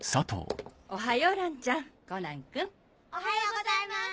おはよう蘭ちゃんコナンくん。おはようございます。